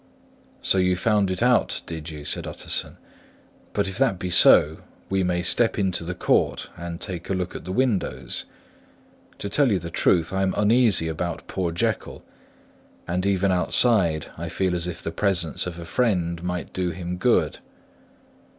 "So you found it out, did you?" said Utterson. "But if that be so, we may step into the court and take a look at the windows. To tell you the truth, I am uneasy about poor Jekyll; and even outside, I feel as if the presence of a friend might do him good."